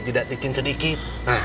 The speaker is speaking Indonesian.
jidat dicin sedikit